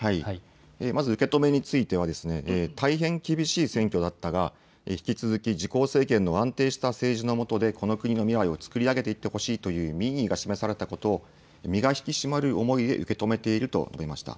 まず受け止めについては、大変厳しい選挙だったが、引き続き自公政権の安定した政治の下で、この国の未来をつくり上げていってほしいという民意が示されたことを身が引き締まる思いで受け止めていると述べました。